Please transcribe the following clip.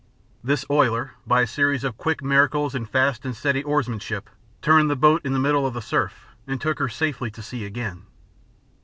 This oiler, by a series of quick miracles, and fast and steady oarsmanship, turned the boat in the middle of the surf and took her safely to sea again.